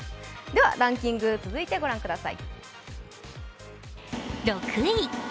ランキング、続いてご覧ください。